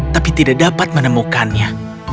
tapi tidak dapat menemukannya